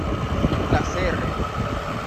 La Serre